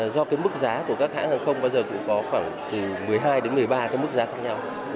do cái mức giá của các hãng hàng không bao giờ cũng có khoảng từ một mươi hai đến một mươi ba cái mức giá khác nhau